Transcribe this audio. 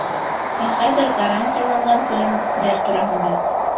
Ә хәҙер гарантияланған күләмдәр тураһында.